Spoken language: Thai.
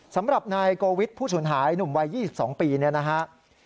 สำหรับนายโกวิทย์ผู้สูญหายหนุ่มวัย๒๒ปีเนี่ยนะฮะ